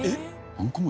あんこ餅？